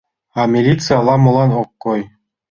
А милиций ала-молан ок кой.